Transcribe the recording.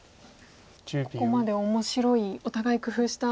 ここまで面白いお互い工夫した。